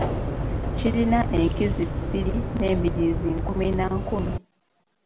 Kirina enkizi bbiri n’embiriizi nkumi na nkumi.